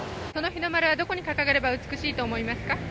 その日の丸はどこに掲げれば美しいと思いますか？